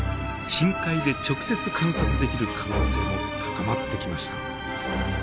深海で直接観察できる可能性も高まってきました。